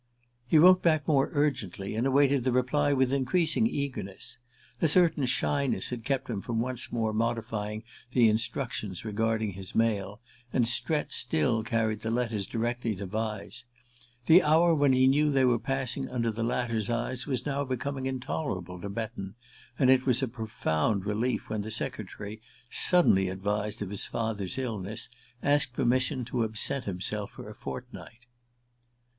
He wrote back more urgently, and awaited the reply with increasing eagerness. A certain shyness had kept him from once more modifying the instructions regarding his mail, and Strett still carried the letters directly to Vyse. The hour when he knew they were passing under the latter's eyes was now becoming intolerable to Betton, and it was a profound relief when the secretary, suddenly advised of his father's illness, asked permission to absent himself for a fortnight.